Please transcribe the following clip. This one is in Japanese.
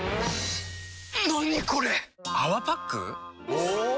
お！